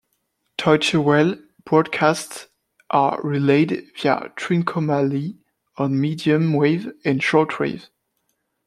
Deutsche Welle broadcasts are relayed via Trincomalee on medium wave and short wave.